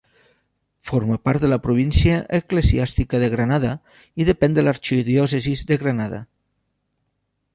Forma part de la província eclesiàstica de Granada, i depèn de l'arxidiòcesi de Granada.